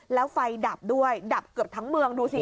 แล้วไฟดับด้วยดับเกือบทั้งเมืองดูสิ